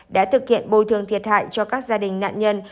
đã thực hiện bồi thường thiệt hại cho các gia đình nạn nhân